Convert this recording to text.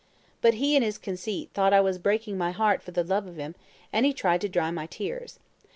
But he, in his conceit, thought I was breaking my heart for the love of him, and he tried to dry my tears.